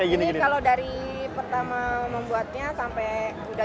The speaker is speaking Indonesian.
ini kalau dari pertama membuatnya sampai udah